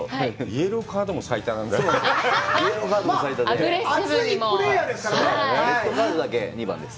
イエローカードも最多で。